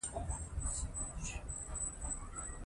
که ټیکنالوژي وکاروو نو کارونه نه ځنډیږي.